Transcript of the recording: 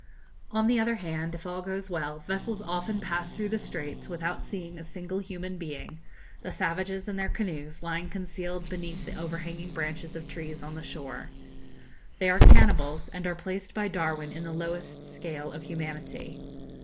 On the other hand, if all goes well, vessels often pass through the Straits without seeing a single human being, the savages and their canoes lying concealed beneath the overhanging branches of trees on the shore. They are cannibals, and are placed by Darwin in the lowest scale of humanity.